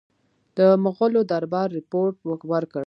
د مغولو دربار رپوټ ورکړ.